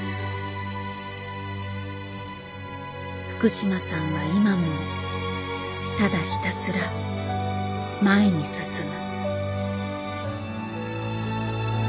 福島さんは今もただひたすら前に進む。